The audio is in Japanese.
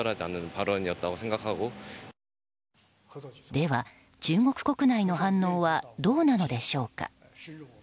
では、中国国内の反応はどうなのでしょうか。